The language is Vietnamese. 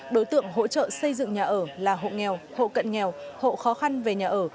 đối tượng hỗ trợ xây dựng nhà ở là hộ nghèo hộ cận nghèo hộ khó khăn về nhà ở